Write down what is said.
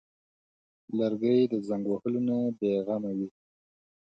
لرګی د زنګ وهلو نه بېغمه وي.